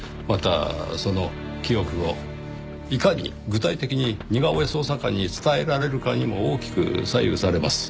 またその記憶をいかに具体的に似顔絵捜査官に伝えられるかにも大きく左右されます。